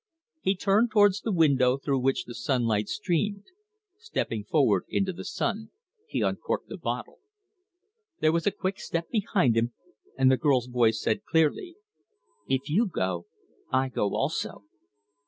He turned towards the window through which the sunlight streamed. Stepping forward into the sun, he uncorked the bottle. There was a quick step behind him, and the girl's voice said clearly: "If you go, I go also."